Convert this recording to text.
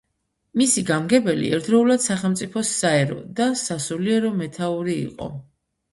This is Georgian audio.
მისი გამგებელი ერთდროულად სახელმწიფოს საერო და სასულიერო მეთაური იყო.